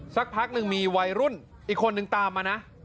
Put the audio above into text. สักพักหนึ่งมีวัยรุ่นอีกคนนึงตามมานะ